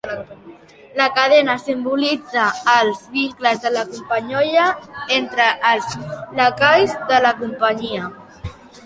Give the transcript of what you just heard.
La cadena simbolitza els vincles de companyonia entre els lacais de la companyia.